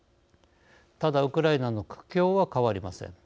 ただ、ウクライナの苦境は変わりません。